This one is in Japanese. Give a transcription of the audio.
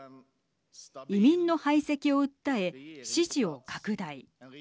移民の排斥を訴え、支持を拡大。